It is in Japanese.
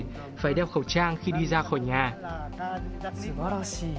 すばらしい。